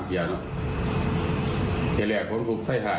เทียนแหล่งผมกลุ่มใช้ไทย